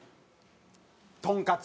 とんかつ。